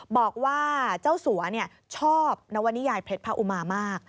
บอกว่าเจ้าสัวชอบนวนิยายเพชรพระอุมามาก